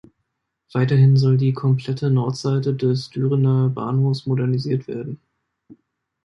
Weiterhin soll die komplette Nordseite des Dürener Bahnhofs modernisiert werden.